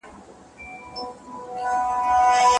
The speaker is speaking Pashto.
په اولاد به یې د ښکار ګټي خوړلې